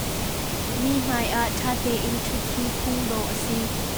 Mi hmai ah tha tein ṭhut hi phung dawh a si.